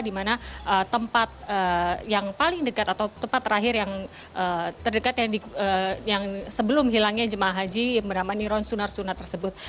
di mana tempat yang paling dekat atau tempat terakhir yang terdekat yang sebelum hilangnya jemaah haji yang bernama niron sunarsuna tersebut